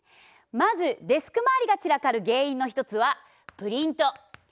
まずデスク周りが散らかる原因の一つはプリント。